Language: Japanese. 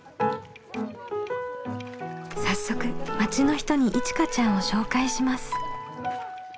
早速町の人にいちかちゃんを紹介します。